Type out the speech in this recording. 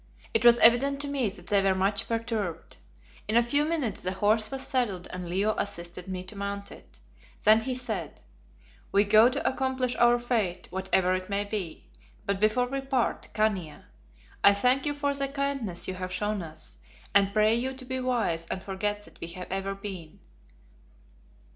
It was evident to me that they were much perturbed. In a few minutes the horse was saddled and Leo assisted me to mount it. Then he said "We go to accomplish our fate, whatever it may be, but before we part, Khania, I thank you for the kindness you have shown us, and pray you to be wise and forget that we have ever been.